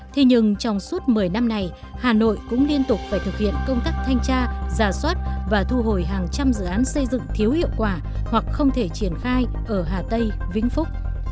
thế nhưng trong suốt một mươi năm này hà nội cũng liên tục phải thực hiện công tác thanh tra giả soát và thu hồi hàng trăm dự án xây dựng thiếu hiệu quả hoặc không thể triển khai ở hà tây vĩnh phúc